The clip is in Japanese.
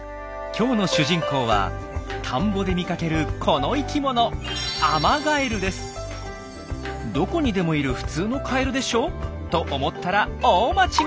今日の主人公は田んぼで見かけるこの生きものどこにでもいる普通のカエルでしょ？と思ったら大間違い！